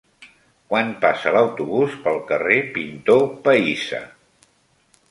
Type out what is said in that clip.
Quan passa l'autobús pel carrer Pintor Pahissa?